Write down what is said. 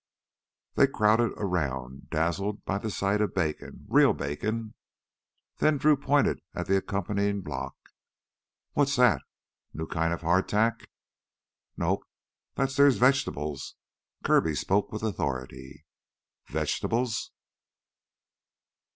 They crowded around, dazzled by the sight of bacon, real bacon. Then Drew pointed at the accompanying block. "What's that? New kind of hardtack?" "Nope. That theah's vegetables." Kirby spoke with authority. "Vegetables?"